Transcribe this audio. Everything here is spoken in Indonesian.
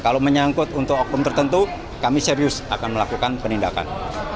kalau menyangkut untuk oknum tertentu kami serius akan melakukan penindakan